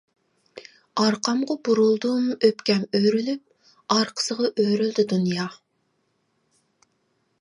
ئارقامغا بۇرۇلدۇم ئۆپكەم ئۆرۈلۈپ، ئارقىسىغا ئۆرۈلدى دۇنيا!